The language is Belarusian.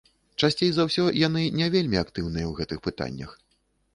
Часцей за ўсё, яны не вельмі актыўныя ў гэтых пытаннях.